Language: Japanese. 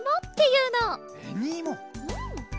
うん。